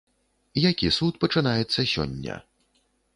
Які суд пачынаецца сёння?